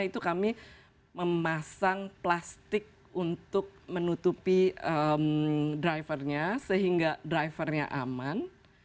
itu kami memasang plastik untuk menutupi drivernya sehingga drivernya aman